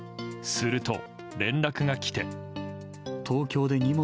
すると、連絡が来て。